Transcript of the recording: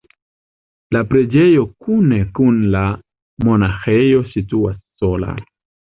La preĝejo kune kun la monaĥejo situas sola.